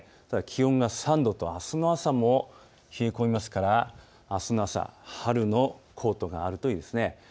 ただ気温が３度とあすの朝も冷え込みますからあすの朝、春のコートがあるとよさそうです。